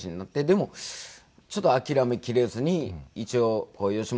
でもちょっと諦めきれずに一応吉本に願書を出して。